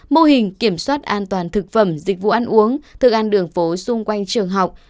mô hình kiểm soát an toàn thực phẩm dịch vụ ăn uống thức ăn đường phố xung quanh trường học